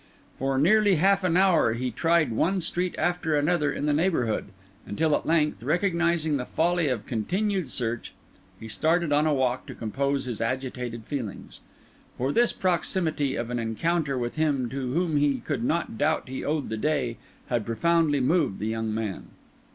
For nearly half an hour he tried one street after another in the neighbourhood, until at length, recognising the folly of continued search, he started on a walk to compose his agitated feelings; for this proximity of an encounter with him to whom he could not doubt he owed the day had profoundly moved the young man.